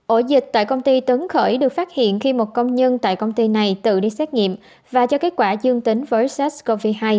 ổ dịch tại công ty tấn khởi được phát hiện khi một công nhân tại công ty này tự đi xét nghiệm và cho kết quả dương tính với sars cov hai